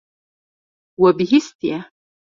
We bihîstiye.